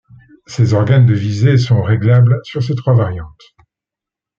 Ses organes de visée sont réglables sur ses trois variantes.